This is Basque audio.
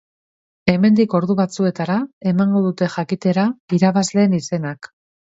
Hemendik ordu batzuetara emango dute jakitera irabazleen izenak.